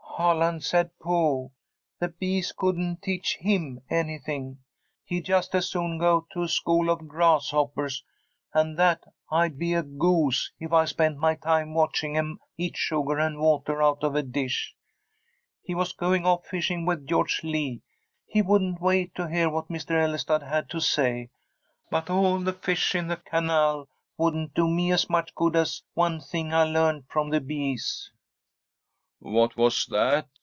"Holland said, Pooh! the bees couldn't teach him anything. He'd just as soon go to a school of grasshoppers, and that I'd be a goose if I spent my time watching 'em eat sugar and water out of a dish. He was going off fishing with George Lee. He wouldn't wait to hear what Mr. Ellestad had to say. But all the fish in the canal wouldn't do me as much good as one thing I learned from the bees." "What was that?"